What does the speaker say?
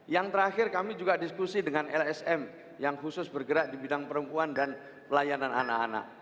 yang terakhir kami juga diskusi dengan lsm yang khusus bergerak di bidang perempuan dan pelayanan anak anak